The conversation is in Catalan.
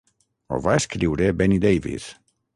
Ho va escriure Benny Davis.